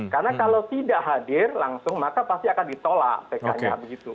karena kalau tidak hadir langsung maka pasti akan ditolak pk nya begitu